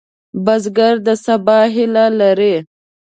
بزګر د سبا هیله لري